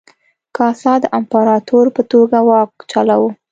کاسا د امپراتور په توګه واک چلاوه.